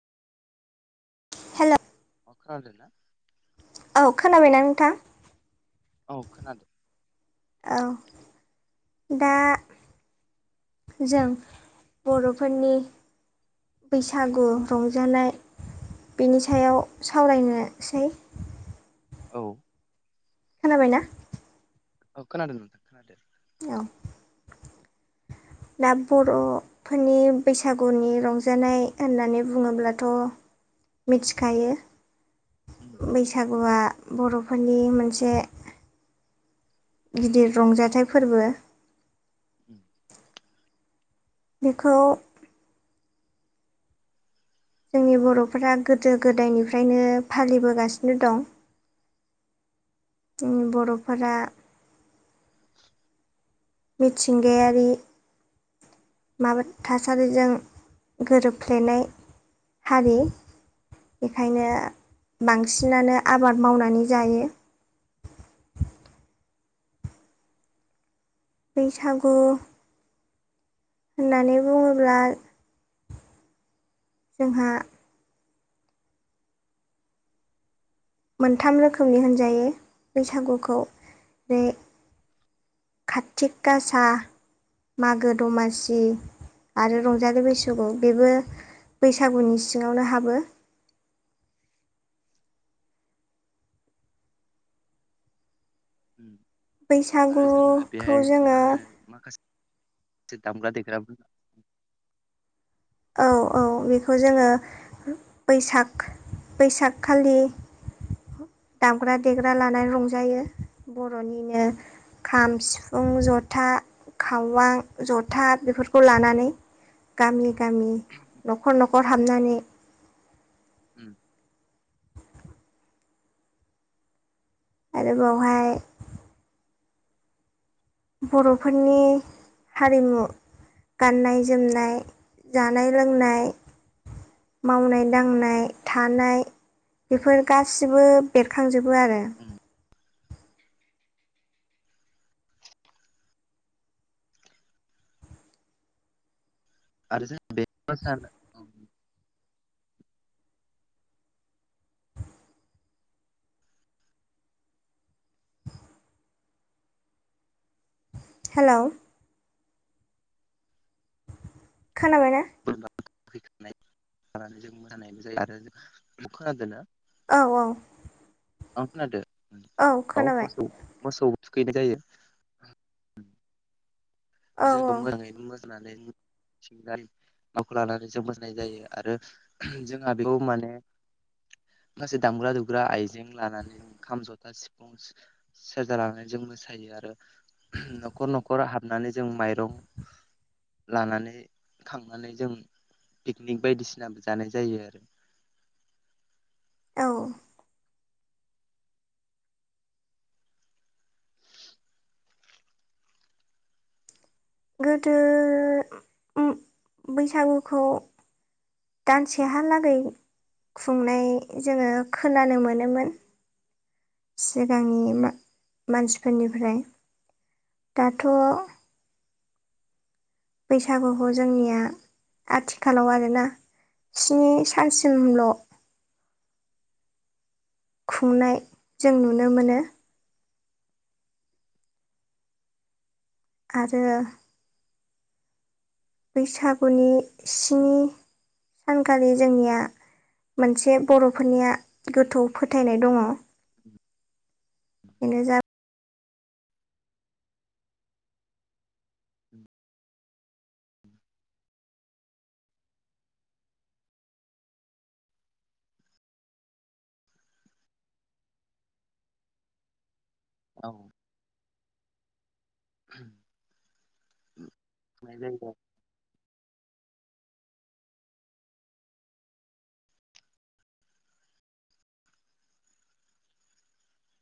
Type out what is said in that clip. हेल' अ खोनादोंना? औ खोनाबायना नोंथां? औ खोनादों। औ दा जों बर'फोरनि बैसागु रंजानाय बेनि सायाव सावरायनोसै। औ खोनाबायना? औ खोनादों नोंथां खोनादों। औ दा बर'फोरनि बैसागुनि रंजानाय होननानै बुङोब्लाथ' मिथिखायो। उम बै बैसागुआ बर'फोरनि मोनसे गिदिर रंजाथाइ फोरबो। उम बेखौ जोंनि बर'फोरा गोदो गोदायनिफ्रायनो फालिबोगासिनो दं। जोंनि बर'फोरा औ मिथिंगायारि माबा थासारिजों गोरोबफ्लेनाय हारि। बेखायनो बांसिनानो आबाद मावनानै जायो। बैसागु होननानै बुङोब्ला जोंहा मोनथाम रोखोमनि होनजायो बैसागुखौ बे कातिक गासा मागो दमासि आरो रंजालि बैसागु बेबो बैसागुनि सिङावनो हाबो। उम आरो जोंहा बैसागुखौ बेहाय जोङो मा होनो माखासे दामग्रा देग्राफोरबो औ औ बेखौ जोङो बैसाग बैसागखालि दामग्रा देग्रा लानानै रंजायो बर'निनो खाम सिफुं जथा खावां जथा बेफोरखौ लानानै। गामि गामि न'खर न'खर हाबनानै। उम। आरो बावहाय बर'फोरनि हारिमु। गाननाय जोमनाय जानाय लोंनाय मावनाय दांनाय थानाय बेफोर गासिबो बेरखांजोबो आरो। उम। [inaudible] आरो जों [unintelligible] औ हेलौ। खोनाबायना? [unintelligible] जों मोसानायबो जायो आरो जों खोनादोना? औ औ। औ खोनादों उम औ मोसौ मोसौ थुखैनाय जायो। औ जों औ बेयाव मोजाङै मोसानानै सिंजारि [unintelligible] लानानै जों मोसानाय जायो आरो जोंहा बेखौ माने माखासे दामग्रा दुग्रा आइजें लानानै ओं खाम जथा सिफुं सेरजा लानानै जों मोसायो आरो न'खर न'खर हाबनानै जों माइरं लानानै खांनानै जों पिकनिक बायदिसिनाबो जानाय जायो आरो। औ। गोदो उम बैसागुखौ दानसेहालागै खुंनाय जोङो खोनानो मोनोमोन। सिगांनि मा-मानसिफोरनिफ्राय। दाथ' बैसागुखौ जोंनिया आथिखालाव आरो ना स्नि सानसिमल' खुंनाय जों नुनो मोनो। आरो‌ बैसागुनि स्नि सानखालि जोंनिया मोनसे बर'फोरनिया गोथौ फोथायनाय दङ। बेनो जाब औ [unintelligible]